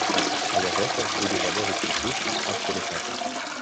Але гэта будзе залежыць выключна ад дэлегатаў.